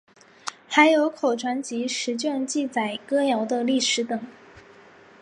还有口传集十卷记载歌谣的历史等。